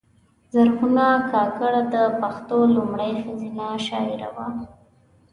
زرغونه کاکړه د پښتو لومړۍ ښځینه شاعره وه .